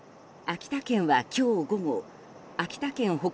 秋田県は今日午後秋田県北